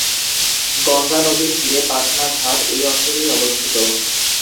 গঙ্গা নদীর তীরে পাটনা ঘাট এই অঞ্চলেই অবস্থিত।